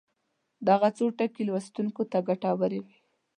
دغه څو ټکي لوستونکو ته ګټورې وي.